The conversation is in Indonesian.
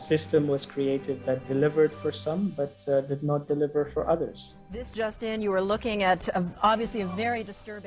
sistem yang dibuat untuk beberapa tapi tidak untuk orang lain